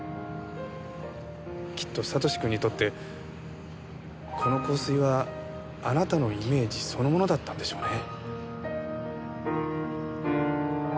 きっと悟志君にとってこの香水はあなたのイメージそのものだったんでしょうね。